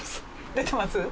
出てます？